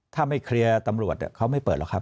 ถ้าไม่เคลียร์ตำรวจเขาไม่เปิดหรอกครับ